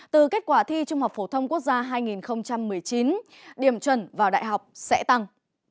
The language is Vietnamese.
từ kết quả thi trung học phổ thông quốc gia hai nghìn một mươi chín điểm chuẩn vào đại học sẽ tăng